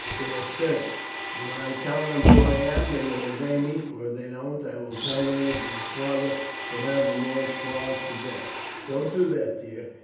"They are serfs, and when I tell them who I am they will obey me, for if they don't I will tell them that my father will have them all flogged to death." "Don't do that, dear.